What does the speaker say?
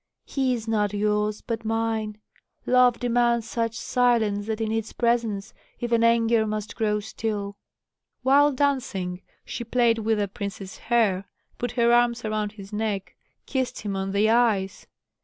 he is not yours, but mine. Love demands such silence that in its presence even anger must grow still." While dancing, she played with the prince's hair, put her arms around his neck, kissed him on the eyes.